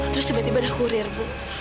terus tiba tiba ada kurir bu